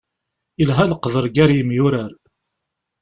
Ilha leqder gar yemyurar.